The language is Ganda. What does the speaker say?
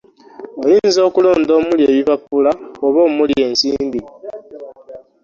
Oyinza okulonda omuli ebipapula oba omuli ensimbi.